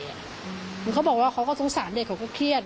เขาบอกว่าเขาก็สงสารเด็กเขาก็เครียด